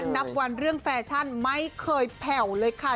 นับวันเรื่องแฟชั่นไม่เคยแผ่วเลยค่ะ